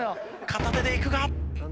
片手でいくが。